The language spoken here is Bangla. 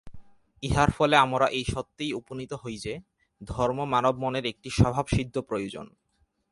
ইহার ফলে আমরা এই সত্যেই উপনীত হই যে, ধর্ম মানব-মনের একটি স্বভাবসিদ্ধ প্রয়োজন।